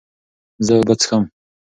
زه اوبه څښم.